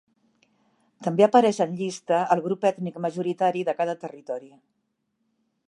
També apareix en llista el grup ètnic majoritari de cada territori.